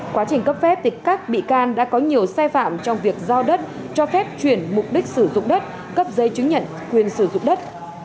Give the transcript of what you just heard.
quá trình cấp phép các bị can đã có nhiều sai phạm trong việc giao đất cho phép chuyển mục đích sử dụng đất cấp giấy chứng nhận quyền sử dụng đất